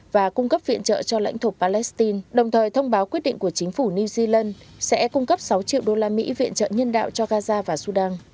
và cung cấp viện trợ cho lãnh thổ palestine đồng thời thông báo quyết định của chính phủ new zealand sẽ cung cấp sáu triệu đô la mỹ viện trợ nhân đạo cho gaza và sudan